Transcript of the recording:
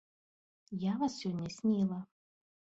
Я вас сёння сніла.